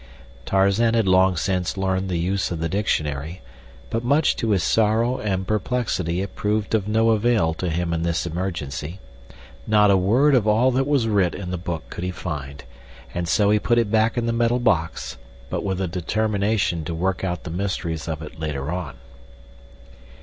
Tarzan had long since learned the use of the dictionary, but much to his sorrow and perplexity it proved of no avail to him in this emergency. Not a word of all that was writ in the book could he find, and so he put it back in the metal box, but with a determination to work out the mysteries of it later on.